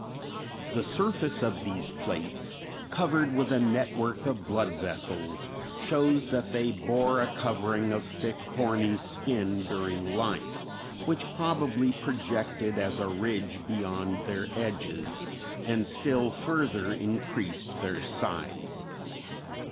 The surface of these plates, covered with a network of blood vessels, shows that they bore a covering of thick horny skin during life, which probably projected as a ridge beyond their edges and still further increased their size.